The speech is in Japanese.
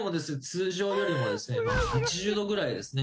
通常よりもですね８０度ぐらいですね